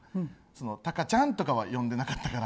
たかちゃんとかは呼んでなかったから。